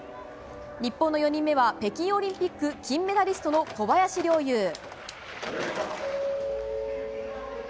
日本の４人目は北京オリンピック金メダリストの小林陵侑。